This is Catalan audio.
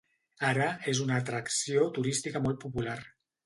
Ara, és una atracció turística molt popular.